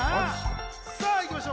さあ、いきましょう。